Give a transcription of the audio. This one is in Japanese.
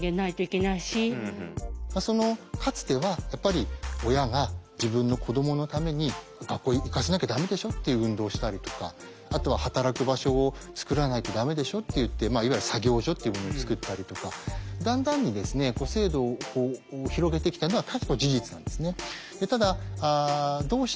かつてはやっぱり親が自分の子どものために「学校行かせなきゃダメでしょ」っていう運動をしたりとかあとは「働く場所を作らないとダメでしょ」といっていわゆる作業所っていうものを作ったりとかだんだんに制度を広げてきたのは事実なんですね。